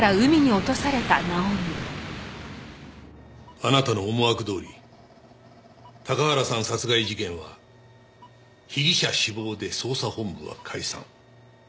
あなたの思惑どおり高原さん殺害事件は被疑者死亡で捜査本部は解散。